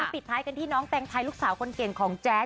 ปิดท้ายกันที่น้องแตงไทยลูกสาวคนเก่งของแจ๊ด